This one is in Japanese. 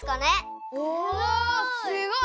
おすごい！